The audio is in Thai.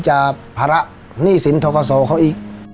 ไหลเวทธิ์จะภาระหนี้สินถ้อขาวส่องเขาอีก